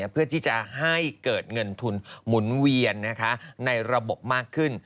เพื่อที่จะให้เกิดเงินทุนหมุนเวียนในระบบมากขึ้น